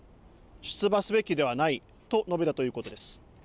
出馬すべきではないと述べたということです。